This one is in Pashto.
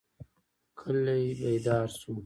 کلی بیدار شو.